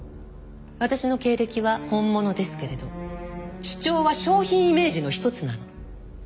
私の経歴は本物ですけれど主張は商品イメージのひとつなの。